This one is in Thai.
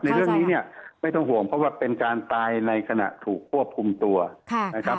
เรื่องนี้เนี่ยไม่ต้องห่วงเพราะว่าเป็นการตายในขณะถูกควบคุมตัวนะครับ